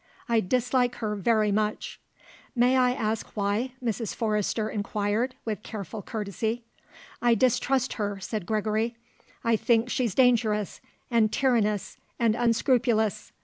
"I dislike her very much." "May I ask why?" Mrs. Forrester inquired, with careful courtesy. "I distrust her," said Gregory. "I think she's dangerous, and tyrannous, and unscrupulous.